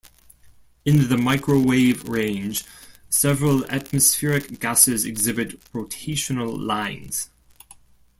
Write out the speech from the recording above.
In the microwave range several atmospheric gases exhibit rotational lines.